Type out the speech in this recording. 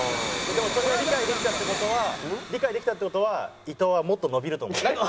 でもそれが理解できたって事は理解できたって事は伊藤はもっと伸びると思います。